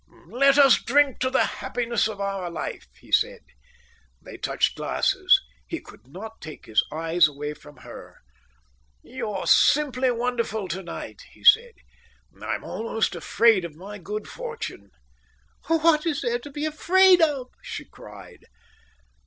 "Let us drink to the happiness of our life," he said. They touched glasses. He could not take his eyes away from her. "You're simply wonderful tonight," he said. "I'm almost afraid of my good fortune." "What is there to be afraid of?" she cried.